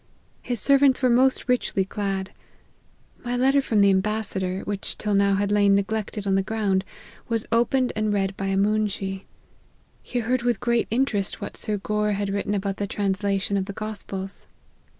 His servants were most richly clad. My letter from the ambassador, which till now had lain neglected on the ground, was opened and read by a moonshee. He heard with great interest what Sir Gore had written about the translation of the gospels.